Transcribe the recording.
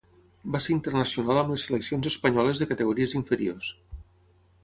Va ser internacional amb les seleccions espanyoles de categories inferiors.